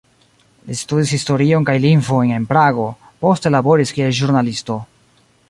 Li studis historion kaj lingvojn en Prago, poste laboris kiel ĵurnalisto.